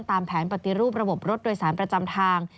ตามแผนปฏิรูประบบรถโดยสารประจำทาง